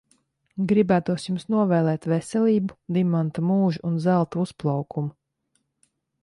Gribētos jums novēlēt veselību, dimanta mūžu un zelta uzplaukumu.